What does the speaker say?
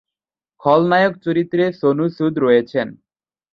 খল-নায়ক চরিত্রে সোনু সুদ রয়েছেন।